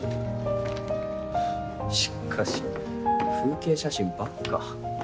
しかし風景写真ばっか。